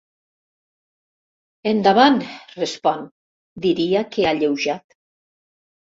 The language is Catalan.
Endavant —respon, diria que alleujat.